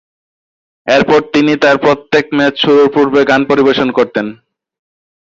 এরপর তিনি তার প্রত্যেক ম্যাচ শুরুর পূর্বে গান পরিবেশন করতেন।